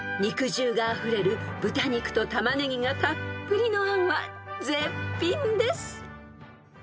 ［肉汁があふれる豚肉とタマネギがたっぷりのあんは絶品です！］